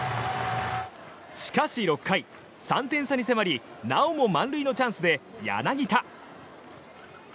しかし６回、３点差に迫りなおも満塁のチャンスで柳田。